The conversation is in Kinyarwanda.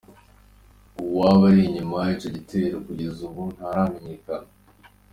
Uwoba ari inyuma y'ico gitero kugez'ubu ntaramenyekana.